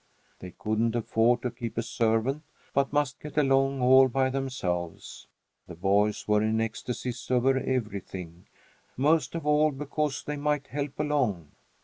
They couldn't afford to keep a servant, but must get along all by themselves. The boys were in ecstasies over everything most of all, because they might help along.